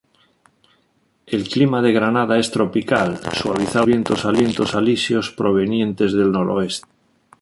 El clima de Granada es tropical, suavizado por los vientos alisios provenientes del noreste.